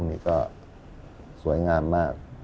องค์นี้ก็สวยงามมาก